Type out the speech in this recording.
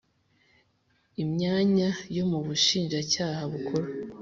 Imyanya yo mu Bushinjacyaha Bukuru